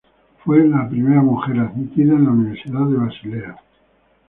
Fue la primera mujer admitida en la Universidad de Basilea.